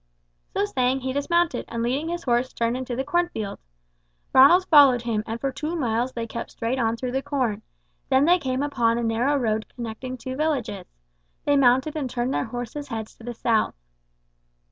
So saying he dismounted, and leading his horse, turned into the cornfield. Ronald followed him, and for two miles they kept straight on through the corn; then they came upon a narrow road connecting two villages. They mounted and turned their horses' heads to the south.